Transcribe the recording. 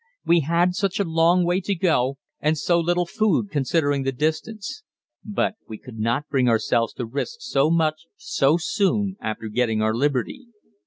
We had such a long way to go, and so little food considering the distance. But we could not bring ourselves to risk so much so soon after getting our liberty.